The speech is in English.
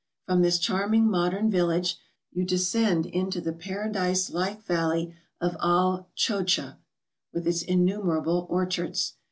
From this charming modern village, you descend into the paradise like valley of Al Chodcha, with its innumerable orchards.